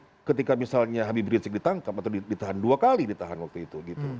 karena ketika misalnya habib rizik ditangkap atau ditahan dua kali ditahan waktu itu